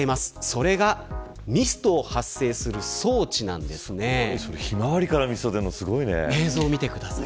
それがミストを発生するひまわりからミストが出るの映像を見てください。